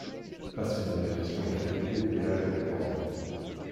Passionné d'aviation, il a piloté dès l'âge de quatorze ans.